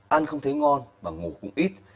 ăn không thấy ngon và ngủ cũng ít